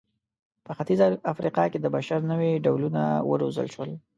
په ختیځه افریقا کې د بشر نوي ډولونه وروزل شول.